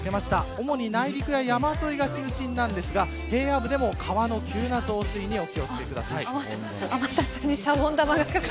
主に内陸や山沿いが中心ですが平野部でも、急な川の増水に気を付けてください。